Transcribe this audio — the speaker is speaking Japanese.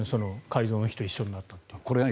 改造の日と一緒になったのは。